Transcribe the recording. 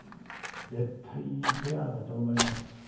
絶対いいペアだと思います。